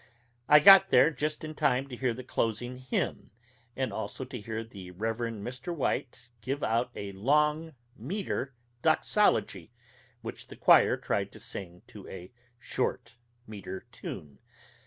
I got there just in time to hear the closing hymn, and also to hear the Rev. Mr. White give out a long metre doxology, which the choir tried to sing to a short metre tune.